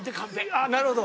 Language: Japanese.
ああなるほど。